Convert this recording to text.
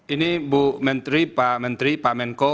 ini bu menteri pak menteri pak menko